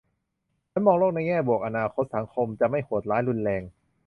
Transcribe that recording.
ฉันมองโลกในแง่บวกว่าอนาคตสังคมจะไม่โหดร้ายรุนแรง